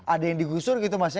ada yang digusur gitu mas ya